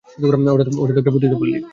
ওটা তো একটা পতিতাপল্লী।